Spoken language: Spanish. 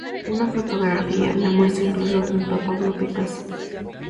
Una fotografía la muestra incluso junto a Pablo Picasso.